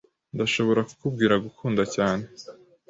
Ndashobora kukubwira gukunda cyane.